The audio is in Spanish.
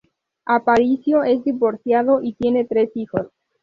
Aparicio es divorciado y tiene tres hijos.